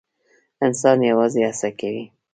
انسان یوازې هڅه کوي